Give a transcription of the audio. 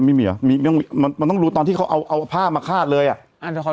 ไม่มีเหรอมันต้องดูตอนที่เขาเอาเอาผ้ามาคาดเลยอ่ะ